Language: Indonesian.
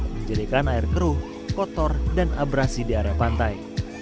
menjadikan air keruh kotor dan abrasi di area pantai